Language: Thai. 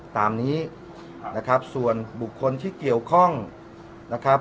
ตามนี้นะครับส่วนบุคคลที่เกี่ยวข้องนะครับ